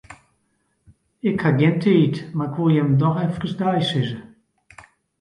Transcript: Ik haw gjin tiid, mar 'k woe jimme doch efkes deisizze.